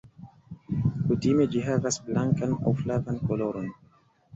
Kutime ĝi havas blankan aŭ flavan koloron.